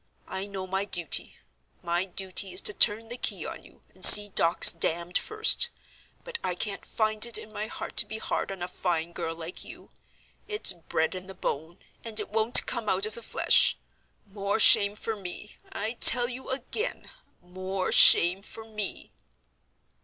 I know my duty—my duty is to turn the key on you, and see Dawkes damned first. But I can't find it in my heart to be hard on a fine girl like you. It's bred in the bone, and it wunt come out of the flesh. More shame for me, I tell you again—more shame for me!"